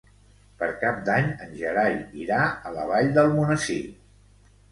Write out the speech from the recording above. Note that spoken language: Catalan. Per Cap d'Any en Gerai irà a la Vall d'Almonesir.